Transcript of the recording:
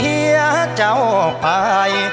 เสียเจ้าไป